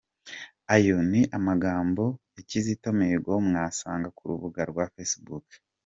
Ayo ni amagambo ya Kizito Mihigo mwasanga ku rubuga rwa Facebook.